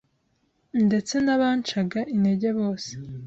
ndtse n’abancaga intege bose